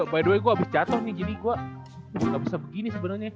by the way gue abis jatoh nih jadi gue gak bisa begini sebenernya